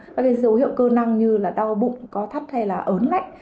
các dấu hiệu cơ năng như đau bụng có thắt hay ớn ngách